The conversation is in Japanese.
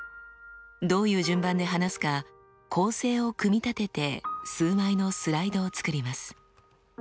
どういう順番で話すか構成を組み立てて数枚のスライドを作ります。